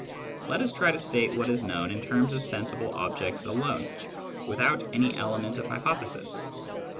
Let us try to state what is known in terms of sensible objects alone, without any element of hypothesis.